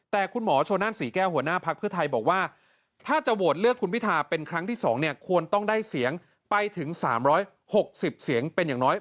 แต่คุณหมอชนนั่นศรีแก้วหัวหน้าภักดิ์เพื่อไทยบอกว่าถ้าจะโหวตเลือกคุณพิทาเป็นครั้งที่๒เนี่ยควรต้องได้เสียงไปถึง๓๖๐เสียงเป็นอย่างน้อย